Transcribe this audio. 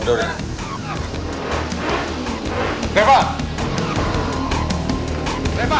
udah udah biarkan biarin aja